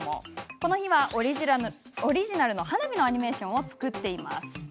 この日はオリジナルの花火のアニメーションを作っています。